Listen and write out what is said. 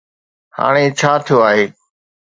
هاڻي ڇا ٿيو آهي؟